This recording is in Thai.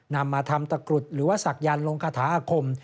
นำมาทำตะกรุดหรือสักยันลงกาถาอาคม